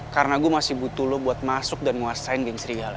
karena gue masih butuh lo buat masuk dan nguasain geng serigala